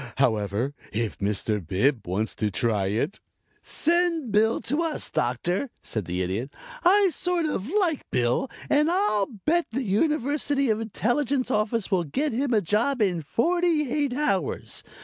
However, if Mr. Bib wants to try it " "Send Bill to us, Doctor," said the Idiot. "I sort of like Bill and I'll bet the University Intelligence Office will get him a job in forty eight hours.